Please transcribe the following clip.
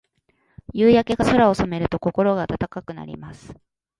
夕焼けが空を染めると、心が温かくなります。